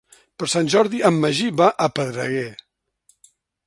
Per Sant Jordi en Magí va a Pedreguer.